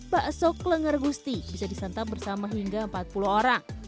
bakso kelenger gusti bisa disantap bersama hingga empat puluh orang